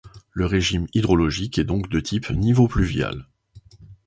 Le régime hydrologique est donc de type nivo-pluvial.